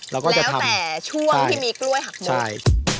เราก็จะทำแล้วแต่ช่วงที่มีกล้วยหักหมกใช่